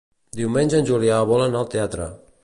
Diumenge en Julià vol anar al teatre.